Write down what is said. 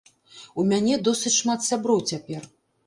У мяне досыць шмат сяброў цяпер.